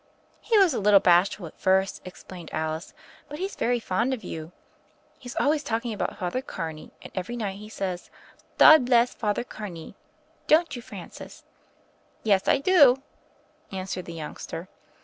"He was a little bashful first," explained Alice, "but he's very fond of you. He's alwavs talking about Father Carney, and every nignt he says 'Dod bless Father Carney.' Don't you, Francis?" "Yes, I do," answered the youngster.